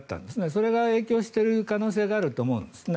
それが影響している可能性があると思うんですね。